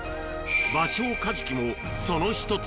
バショウカジキもその１つ。